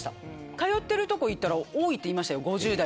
通ってるとこ行ったら多いって言いましたよ。